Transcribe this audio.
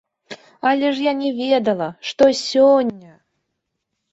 Але я ж не ведала, што сёння!